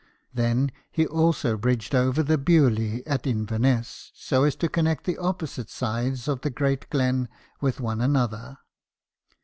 Then, he also bridged over the Beauly at Inverness, so as to connect the opposite sides of the Great Glen with one another.